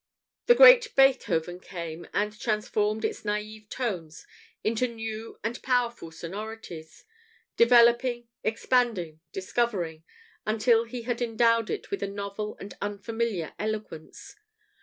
The great Beethoven came, and transformed its naïve tones into new and powerful sonorities, developing, expanding, discovering, until he had endowed it with a novel and unfamiliar eloquence.